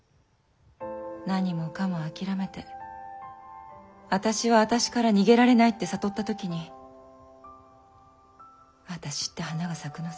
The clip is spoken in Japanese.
何もかも諦めてあたしはあたしから逃げられないって悟った時にあたしって花が咲くのさ。